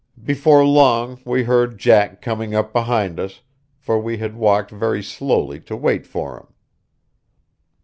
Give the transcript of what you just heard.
Before long we heard Jack coming up behind us, for we had walked very slowly to wait for him.